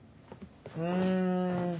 うん。